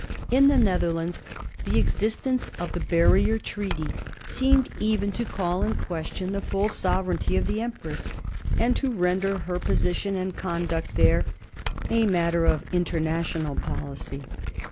In the Netherlands, the existence of the Barrier Treaty seemed even to call in question the full sovereignty of the empress, and to render her position and conduct there a matter of international policy.